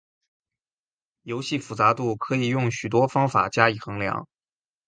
游戏复杂度可以用许多方法加以衡量。